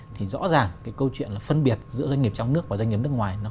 thì rõ ràng câu chuyện phân biệt giữa doanh nghiệp trong nước và doanh nghiệp nước ngoài